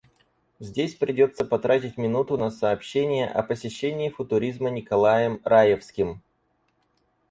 Здесь придётся потратить минуту на сообщение о посещении футуризма Николаем Раевским.